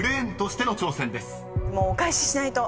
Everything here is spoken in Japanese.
もうお返ししないと。